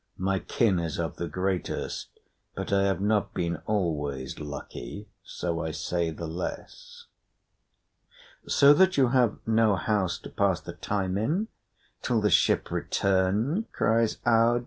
"My kin is of the greatest, but I have not been always lucky, so I say the less." "So that you have no house to pass the time in till the ship return?" cries Aud.